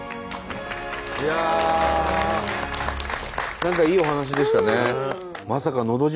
何かいいお話でしたね。